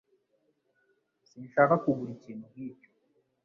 Sinshaka kugura ikintu nkicyo